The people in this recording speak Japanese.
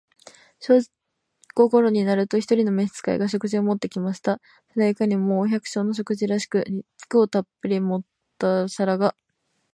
正午頃になると、一人の召使が、食事を持って来ました。それはいかにも、お百姓の食事らしく、肉をたっぶり盛った皿が、